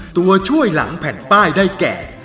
ตัวช่วยหลังแผ่นป้ายได้แก่